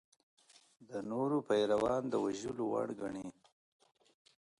د نورو پیروان د وژلو وړ ګڼي.